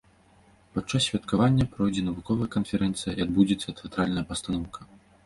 Падчас святкавання пройдзе навуковая канферэнцыя і адбудзецца тэатральная пастаноўка.